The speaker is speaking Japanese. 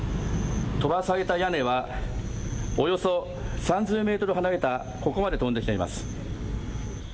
飛ばされた屋根はおよそ３０メートルほど離れたここまで飛んできています。